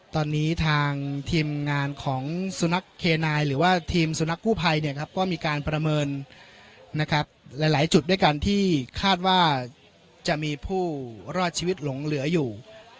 ตอนนี้ทางทีมงานของสุนัขเคนายหรือว่าทีมสุนัขกู้ภัยก็มีการประเมินนะครับหลายจุดด้วยกันที่คาดว่าจะมีผู้รอดชีวิตหลงเหลืออยู่